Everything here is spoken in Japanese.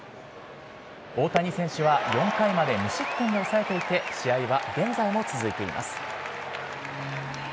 大谷選手は４回まで無失点に抑えていて試合は現在も続いています。